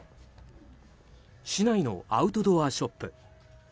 市内のアウトドアショップ。